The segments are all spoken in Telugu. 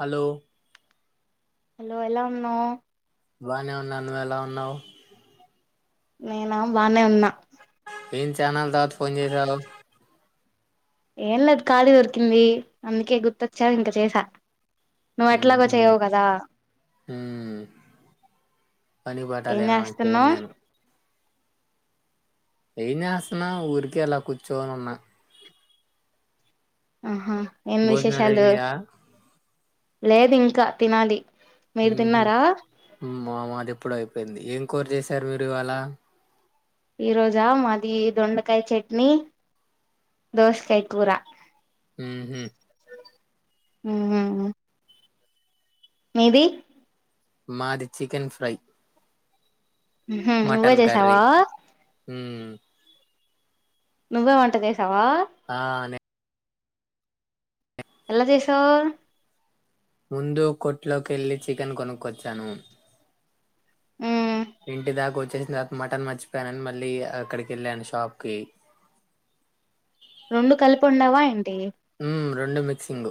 హలో హలో ఎలా ఉన్నో బాగానే ఉన్నాయి అందువి ఎలా ఉన్నావు నేనా బానే ఉన్నా ఏం చానాల తర్వాత ఫోన్ చేసావు ఏం లేదు ఖాళీ దొరికింది అందుకే గుర్తొచ్చాను ఇంక చేసా నువ్వు ఎట్లాగో మ్హూ, చెయవు కదా మ్. పని ఏం పాటాలేనా చేస్తున్నా చేయను నేను ఏం చేస్తున్నా ఊరికే ఎలా కూర్చోని ఉన్నా ఆహా ఏం భోజనాలు విశేషాలు అయినాయా లేదు ఇంకా తినాలి మీరు తిన్నారా మామ అది ఎప్పుడు అయిపోయింది ఏం కూర చేసారు మీరు ఇవాళ ఈ రోజా మాది దొండకాయ చట్నీ దోసకాయ కూర హ హ అ మీది మాది చికెన్ ఫ్రై హుమ్ నువ్వే మటన్ చేసావా? కర్రీ మ్. నువ్వే వంట చేసావా? ఆ నే ఎల్లా జేసావ్? ముందు కొట్లోకి వెళ్ళి చికెన్ కొనుక్కొచ్చాను. ఉమ్ త మటన్ మర్చిపోయానని మళ్ళీ అక్కడికి వెళ్ళాను షాప్ కి రెండు కలిపి వండావా ఏంటి? మ్, రెండు మిక్సింగు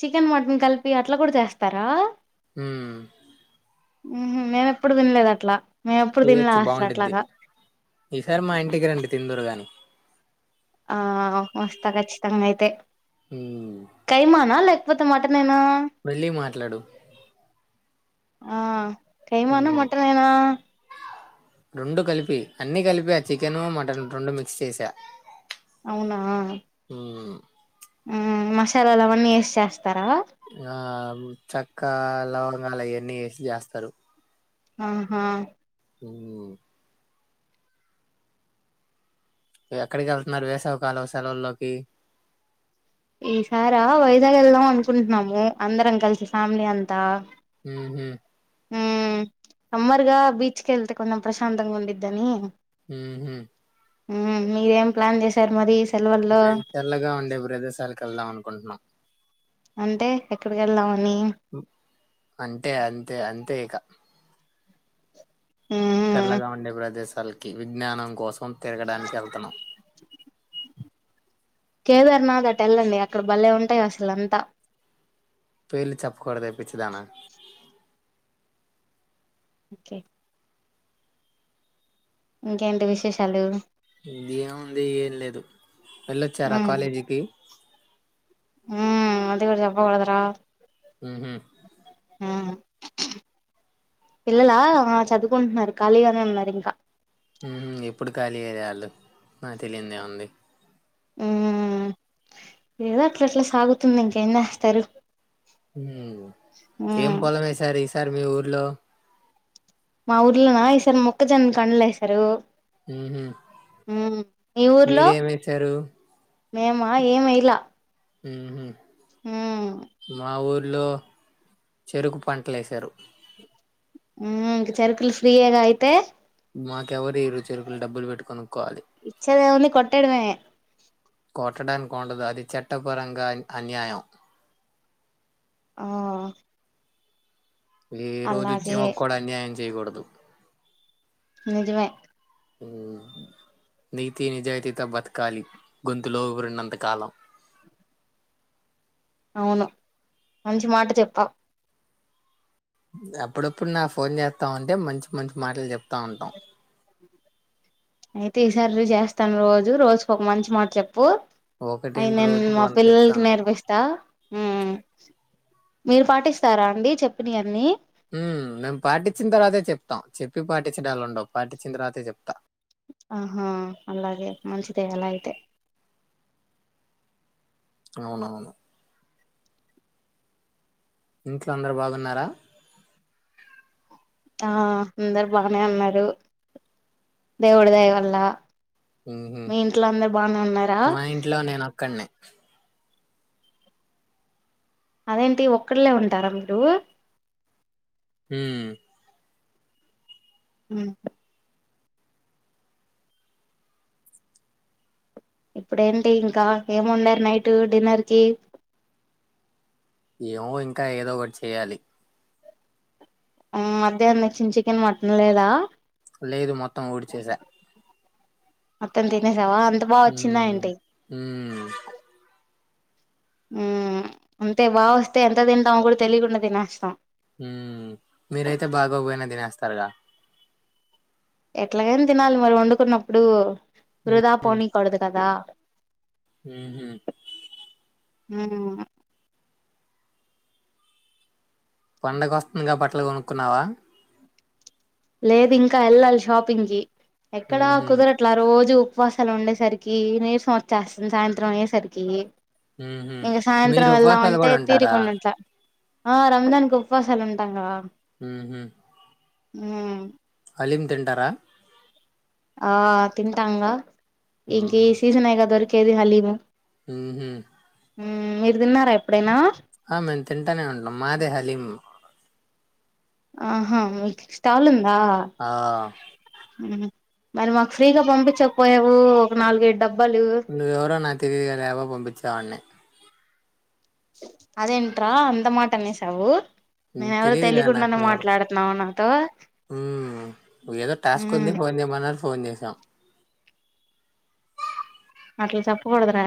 చికెన్ మటన్ కలిపి అట్లా కూడా చేస్తారా? ఉమ్ ఊహుం మేమ్ ఎప్పుడు తినలేదు అట్లా మేము ఎప్పుడు తినలే చేయొచ్చు అసలు బాగుఉండుద్ది. అట్లాగా ఈసారి మా ఇంటికి రండి తిందురు గాని ఆ వస్తా ఖచ్చితంగా అయితే హ్మ్ కైమానా లేకపోతే మటన్ మెల్లిగా మాట్లాడు ఆ కైమానా హ్మ్ మటన్ ఏనా? రెండు కలిపి అన్ని కలిపి ఆ చికెను మటన్ రెండు మిక్స్ చేసా? అవునా ఊ ఊ మసాలాలా ఆవన్నీ వేసి చేస్త ఆ చక్క లవంగాలు అయన్నీ ఏసి చేస్తారు. ఆహా! ఓ ఎక్కడికి వెళ్తున్నారు వేసవికాలం సెలవుల్లోకి ఈసారా వైజాగ్ వెళ్దాం అనుకుంటున్నాము. అందరం కలిసి ఫ్యామిలీ అంతా ఉహుం ఊ సమ్మర్గా బీచ్ కె వెళ్తే కొంచం ప్రశాంతగా ఉండిద్దని ఉహుం ఉమ్ మీరేం ప్లాన్ చేసారు? మరి సెలవుల్లో మేము చల్లగా ఉండే ప్రదేశాలకి వెళ్దాం అనుకుంటున్నాం. అంటే ఎక్కడికి వెళ్దాం. అని అంటే అంతే అంతే ఇక ఉమ్ చల్లగా ఉండే ప్రదేశాలకి విజ్ఞానం కోసం తిరగడానికి వెళ్తున్నాం. కేదార్నాథ్ అటు వెళ్ళండి. అక్కడ భలేె ఉంటాయి అసలు అంతా పేర్లు చెప్పకూడదే పిచ్చిదానా ఓకే ఇంకేంటి విశేషాలు ఏముంది ఏం లేదు వెళ్ళొచ్చారా? ఉమ్ కాలేజీకి ఉమ్ అది కూడా చెప్పా కుడదురా ఉహు ఉమ్ పిల్లలా చదువుకుంటున్నారు. ఖాళీగానే అన్నారు ఇంకా ఉమ్ ఎప్పుడు ఖాళీయే అల్లు నాకు తెలియందేముంది. ఉమ్ ఏదో అట్లా అట్లా సాగుతుంది ఇంకెన్నేస్తారు. ఉమ్ ఏం పొలమ్ ఎసార్ ఈసారీ మీ ఊర్లో మా ఊర్లో నా ఈసారు మొక్కజోన్న కండ్లు ఏసారు. ఉహు ఉమ్ మీ ఊర్లో మీరేమేసారు మేమా ఏమ్ ఏయలా ఉహుం హ లో చెరుకు పంటలు ఏశారు. ఉమ్ ఇంక్ చెరుకులు ఫ్రీయేగా అయితే మాకు ఎవరిరు చెరుకులు డబ్బులు పెట్టుకు ఇచ్చద ఉంది కొట్టాడవే అది చట్టపరంగా అన్యాయం ఆ వ రోజు అలాగే చీమ కూడా అన్యాయం చేయకూడదు నిజమే హ నీతి నిజాయితీతో బతకాలి గొంతులో ఊరిన్నంతకాలం అవును మంచి మాట చెప్పావు అప్పుడప్పుడు నా ఫోన్ చేస్తా ఉంటే మంచి మంచి మాటలు చెప్తా ఉంటాం అయితే ఈసారి చేస్తాను రోజు రోజుకు ఒక మంచి మాట చెప్పు అయి ఒకటేంటి నేను రోజుకు మా వంద పిల్లలకి చెప్తాను. నేర్పిస్తా మీరు పాటిస్తారా అండి చెప్పినవన్నీ మేము పాటించిన తర్వాతే చెప్తాం చెప్పి పాటించడాలు ఉండవు పాటించిన తర్వాతే చెప్తాం ఆహా అలాగే మంచిదే అలా అయితే అవునవును ఇంట్లో అందరు బాగున్నారా ఆ అందరు బానే ఉన్నారు దేవుడిదయ వల్ల హుహు. మీ ఇంట్లో అందరు బాగానే ఉన్నారా అ అదేంటి ఒక్కళ్లే ఉంటారా మీరు హ అ ఇప్పుడేంటి ఇంకా ఏముండారు నైట్ డిన్నర్ కి ఏమో ఇంకా ఏదో ఒకటి చేయ్యాలి మధ్యాహంచ్చిన చికెన్ మటన్ లేదా లేదు మొత్తం ఓడిచసా మొత్తం తినేసావా అంత బా వచ్చిందా హ్మ్. అంటి హ్మ్. అంతే బాగా వస్తే ఎంత తింటాం కూడా తెలియకుండా తినస్తాం తరగా ఎట్లాగైనా తినాలి మరి వండుకున్నప్పుడు వృధా పోనీయకూడదు కదా హ హ ఆ పండగ వస్తుంది కా బట్టల కొనుక్కున్నావా లేదు ఇంకా వెళ్ళాలి షాపింగ్ కి ఎక్కడా హుహు. కుదరట్లా రోజు ఉపవాసాలు ఉండేసరికి నీరసం వచ్చేస్తుంది సాయంత్రం అయ్యేసరికి హుహు. ఇంకా మీరు సాయంత్రం ఉపవాసాలు వెళ్దామంటే గూడా ఉంటారా? తీరిగి ఉందింట్లా ఆ రంజాకి ఉపవాసాలు ఉంటాకా హ హ హలీం తింటారా ఆ తింటాంగా ఇంక ఈ సీజన్యి కా దొరికేది హలీము హహ మీరు తిన్నారా ఎప్పుడైనా ఆ మేము తింటూనే ఉంటాం మాదే హలీం ఆహా మీకు స్టాల్ ఉందా ఆ! మరి మాకు ఫ్రీగా పంపించపోయావు ఒక నాలుగేడు డబ్బు నువు ఎవరో నాకుంటేలేదు గా అదేంట అంత మాటనే సవఊర్ హ్మ్. మేనుెవరు తెలీదు గదా నాకు తెలియకుండానే ఎవరు. మాట్లాడుతున్నావు నాతో ఏదో టాస్క్ మ్మ్ ఉంది పోన్ ఏమన్నా ఫోన్ేశాం అట్లా చెప్పుకడద్ర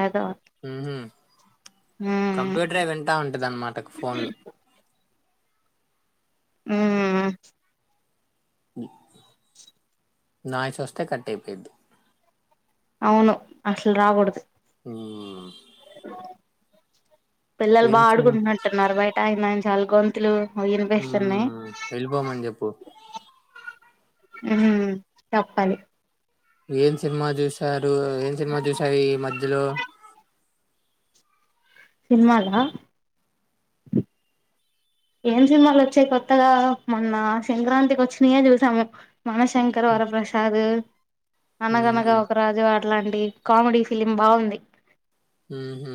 మ్మ్ కంప్యూటర్ వింటా ఉంటది అన్నమాట ఫోన్లు ఆ నాయ చూస్తే కట్ అయిపోయిద్ది అవును అసలు రాకూడదు హ్మ్. పిల్లలు ఏం బా సిన్ ఆడుకుంటున్నట్టున్నారు బయట ఆయన చాలా గొంతులు హ వినిపిస్తున్నాయి వెళ్ళిపోమని చెప్పు చెప్పాలి ఏం సినిమా చూసారు ఏం సినిమా చూసయి ఈ మధ్యలో సినిమాాల ఏం సినిమాలు వచ్చాయి కొత్తగా మొన్న సంక్రాంతికి వచ్చినయే చూసాము మనశంకర్ వరప్రసాద్ హుహు. అనగనగా ఒకరాజు వా అట్లాంటి కామెడీ ఫిలిం బాగుంది ఉ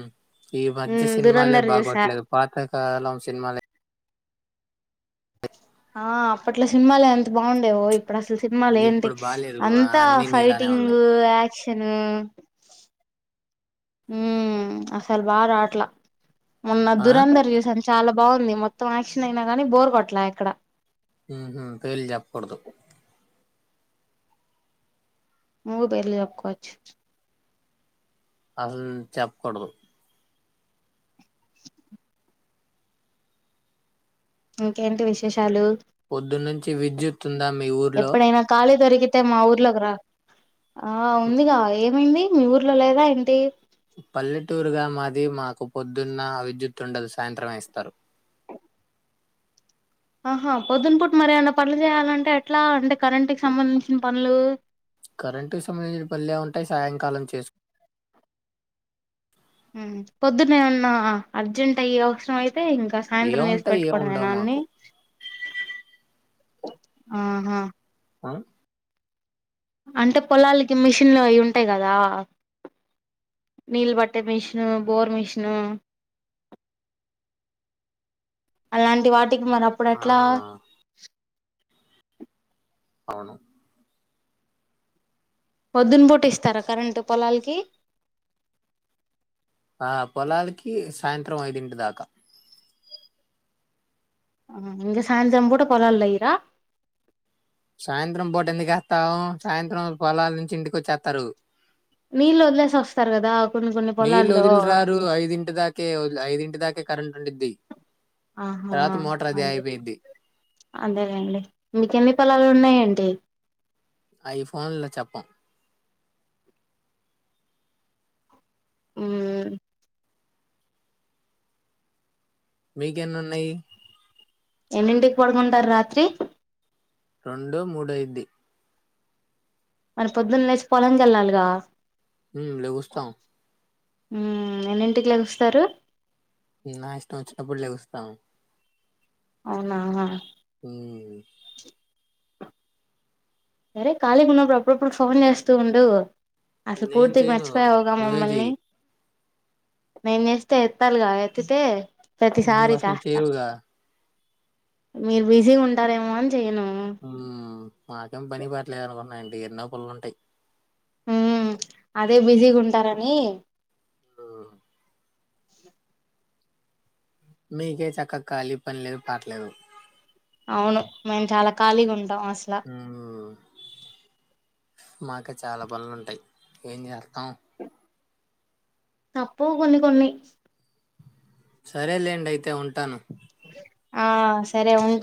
ఈ మధ్య మ్మ్ సినిమాలే దురంధర్ చూసా బాగట్లేదు పాతకాలం సినిమాల ఆ అప్పట్లో సినిమాల ఎంత బాగుండేవో ఇప్పుడు అసలు సినిమాలు ఏంటి ఇప్పుడు బాలేదు అంతా అన్ని నీలానే ఫైటింగ్ ఉన్నాయి యాక్షన్ చిన్న ఉ అసలు బా రా అట్లా ఉన్న ఆ దురంందర చూసాను చాలా బాగుంది మొత్తం యాక్షన్ అయినా గాని బోర్ కొట్లా అక్కడ హ తేలి చెప్పకూడదు ము బళ జకుచ్చ అసలు చెప్పకూడదు ఇంకేంటి విశేషాలు పొద్దు నుంచి విద్యుత్ ఉందా మీ ఊర్లో ఎప్పుడైనా కాల ద్వరకు [unintelligible] అతే మా ఊర్లోకి రా ఆ ఉందిగా ఏమైంది మీ ఊర్లో లేదా ఏంటి పల్లెటూరుగా మాది మాకు పొద్దున్న విద్యుత్తుండదు సాయంత్రమే ఇస్తారు [inaudible] ఆహా పొద్దున్న పూట మరి ఏమీ న్న పనులు చేయాలంటే ఎట్లా అంటే కరెంటుకు సంబంధించిన పనులు కరెంటు సంబంధించిన పనులు ఏం ఉంటాయి సాయంకాలం చేసుకుంట హమ్ పొద్దునేే ఎమన్నా అర్జెంట్ అయ్యి అవసరం అయితే అయితే ఇంకా సాయంత్రం చేసి ఏముంటాయి ఏం ఉండవు పెట్టుకోవడమేన అన్ని మాకు ఆహా ఆ అంటే పొలాలకి మిషన్లు అవి ఉంటాయి కదా నీల్బట్టె మిషను బోర్ మిషను అలాంటి వాటికి మరి ఆ అప్పుడేట్ల అవును పొద్దున పూట ఇస్తారా కరెంటు పొలాలకి ఆ పొలాలకి సాయంత్రం ఐదింటి దాకా హమ్ ఇంక సాయంత్రం పూట పోలలో వేయరా సాయంత్రం పూట ఎందుకు వేస్తాం సాయంత్రం పొలాల నుంచి ఇంటికి వచ్చేస్తారు నీళ్ళు వదిలేసి వస్తారు కదా కొన్ని కొన్ని నీళ్ళు పొలాల్లో వదిలి రారు ఐదు ఇంటి దాకే ఐడు ఇంటి దాకే కరెంట్ ఉండిది ఆహా అదే అయిపోయిద్ది అదేనండి మీక ఎన్ని పొలాలు ఉన్నాయండి ప [unintelligible] అయి ఫోన్ లో చెప్పం ఉమ్ మీకు ఎన్నీ ఉన్నాయి ఎన్నిడింటికి పడుకుంటారు రాత్రి రెండో మూడో అయిది మన పొద్దున్న లేచి పొలానికి వెళ్ళాలిగా ఉమ్ లెగుస్తాం ఎన్నింటికి లేగుస్తారు నా ఇష్టం వచ్చినపుడు లే గుస్తాం అవునా హమ్ సరే ఖాళీకి ఉన్నప్పుడు అప్పుడప్పుడు ఫోన్ చేస్తూ ఉండు అసలు నేను పూర్తికి చేయను మర్చిపోయావుగా నువ్వే మమ్మల్ని చెయ్యి నేను చేస్తే ఎత్తాలి గా ఎత్తితే నువ్వు ప్రతిసారి అసలు చేస్తా చేయవుగా మీరు బిజీగా ఉంటారేమో అని చెయ్యను మాకేం పని పాట లేదు అనుకున్నా అండి ఎన్నో పనులుంటాయి ఉమ్ అదే బిజీగా ఉంటారని ఉమ్, [inaudible] మీకే చేక్క ఖాళీ పని లేదు పాటలేదు అవును మేము చాలా ఖాళీగా ఉంటాం అసల మాకు చాలా పనులుంటాయి ఏం చేస్త తప్పవు కొన్ని కొన్ని సరేలేండి అయితే ఉంటాను ఆ సరే ఉంటా